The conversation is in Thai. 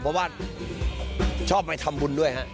เพราะว่าชอบไปทำบุญด้วยฮะ